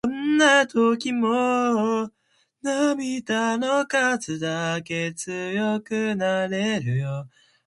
Its county seat is Bagley.